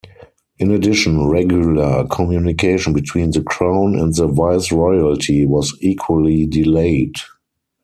In addition, regular communication between the Crown and the viceroyalty was equally delayed.